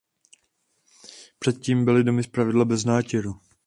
Předtím byly domy zpravidla bez nátěru.